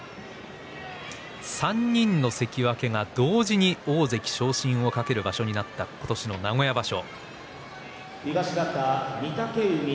３人の関脇が同時に大関昇進を懸ける場所になった今年の名古屋場所。